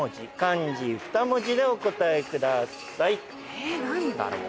え何だろう。